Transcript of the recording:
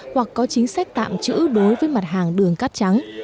hoặc có chính sách tạm chữ đối với mặt hàng đường cắt trắng